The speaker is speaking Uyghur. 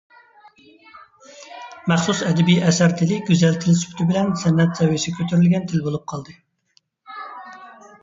مەخسۇس ئەدەبىي ئەسەر تىلى گۈزەل تىل سۈپىتى بىلەن سەنئەت سەۋىيىسىگە كۆتۈرۈلگەن تىل بولۇپ قالدى.